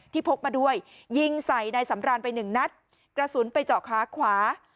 พกมาด้วยยิงใส่นายสำรานไปหนึ่งนัดกระสุนไปเจาะขาขวา